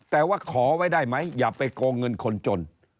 แต่ว่าขอไว้ได้ไหมอย่าไปโกงเงินคนจน